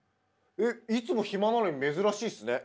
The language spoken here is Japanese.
えいつも暇なのに珍しいっすね。